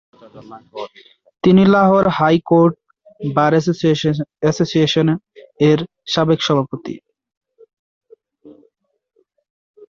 তিনি Lahore high court bar association এর সাবেক সভাপতিও।